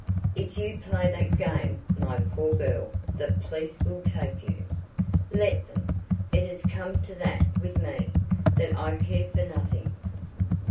"If you play that game, my poor girl, the police will take you." "Let them. It has come to that with me, that I care for nothing.